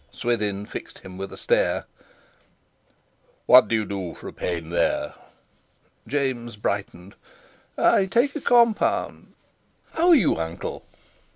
Swithin fixed him with a stare: "What do you do for a pain there?" James brightened. "I take a compound...." "How are you, uncle?"